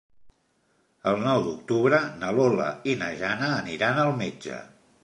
El nou d'octubre na Lola i na Jana aniran al metge.